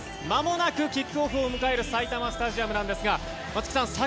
まもなくキックオフを迎える埼玉スタジアムですが松木さん